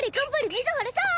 水原さん！